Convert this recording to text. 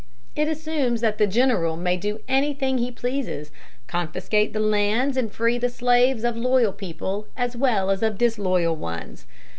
It assumes that the general may do anything he pleases confiscate the lands and free the slaves of loyal people, as well as of disloyal ones.